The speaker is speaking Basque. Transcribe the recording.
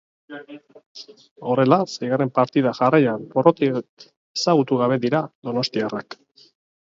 Horrela, seigarren partida jarraian porrotik ezagutu gabe dira donostiarrak.